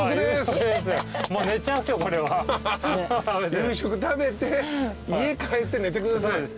夕食食べて家帰って寝てください。